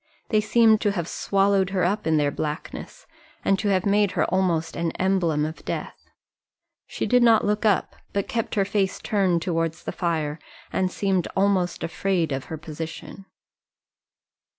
They seemed to have swallowed her up in their blackness, and to have made her almost an emblem of death. She did not look up, but kept her face turned towards the fire, and seemed almost afraid of her position.